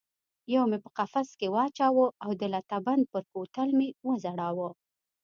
یو مې په قفس کې واچاوه او د لته بند پر کوتل مې وځړاوه.